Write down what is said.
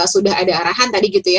sudah ada arahan tadi gitu ya